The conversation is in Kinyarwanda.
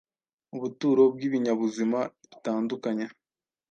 ubuturo bw’ibinyabuzima bitandukanye,